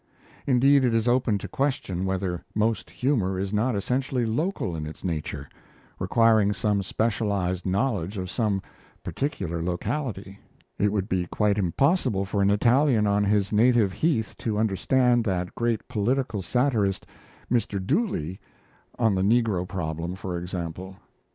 Indeed, it is open to question whether most humour is not essentially local in its nature, requiring some specialized knowledge of some particular locality. It would be quite impossible for an Italian on his native heath to understand that great political satirist, "Mr. Dooley," on the Negro Problem, for example.